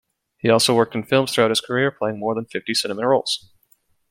He also worked in films throughout his career, playing more than fifty cinema roles.